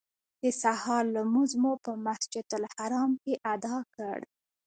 د سهار لمونځ مو په مسجدالحرام کې ادا کړ.